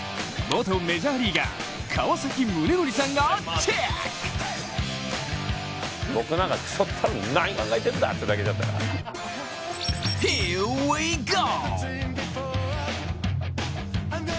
元メジャーリーガー、川崎宗則さんがチェック！